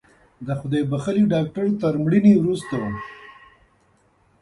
د خدای بښلي ډاکتر تر مړینې وروسته